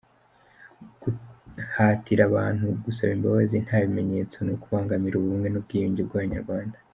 Guhatira abantu gusaba imbababzi nta bimenyetso ni ukubangamira ubumwe n’ubwiyunge by’Abanyarwanda.